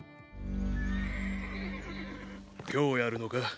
今日やるのか？